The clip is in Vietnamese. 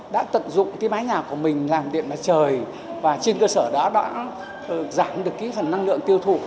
đã tận dụng cái mái nhà của mình làm điện mặt trời và trên cơ sở đó đã giảm được cái phần năng lượng tiêu thụ